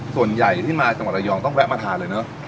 ส่วนใหญ่ที่มาจังหวัดระยองต้องแวะมาทานเลยเนอะ